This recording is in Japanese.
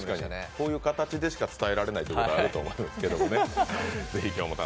こういう形でしか伝えられないこともあると思いますのでね。